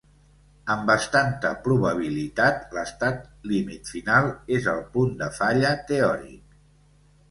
Amb bastanta probabilitat, l'estat límit final és el punt de falla teòric.